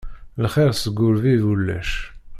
Lxiṛ seg urbib ulac.